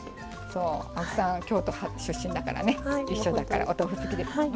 そう青木さん京都出身だからね一緒だからお豆腐好きですよね？